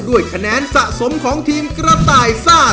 ด้วยคะแนนสะสมของทีมกระต่ายซ่า